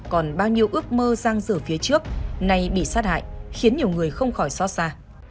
còn bao nhiêu ước mơ sang giữa phía trước này bị sát hại khiến nhiều người không khỏi xót xa